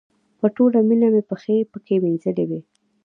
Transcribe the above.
په ټوله مینه مې پښې پکې مینځلې وې.